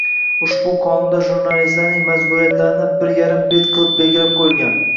Ushbu qonunda jurnalistlarning majburiyatlari bir yarim bet qilib belgilab qo‘yilgan.